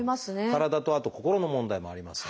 体とあと心の問題もありますからね。